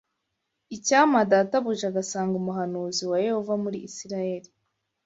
icyampa databuja agasanga umuhanuzi wa Yehova muri Isirayeli.